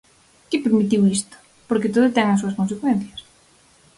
¿Que permitiu isto?, porque todo ten as súas consecuencias.